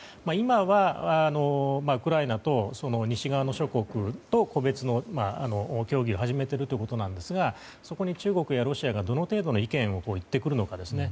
今はウクライナと西側の諸国と個別の協議を始めているということですがそこに中国やロシアがどの程度の意見を言ってくるのか。